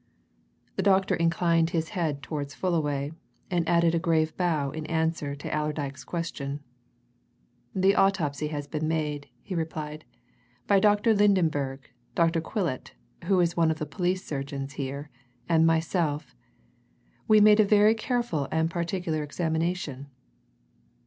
The doctor inclined his head towards Fullaway, and added a grave bow in answer to Allerdyke's question. "The autopsy has been made," he replied. "By Dr. Lydenberg, Dr. Quillet, who is one of the police surgeons here, and myself. We made a very careful and particular examination."